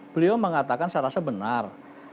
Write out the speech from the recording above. beliau mengatakan secara sebenar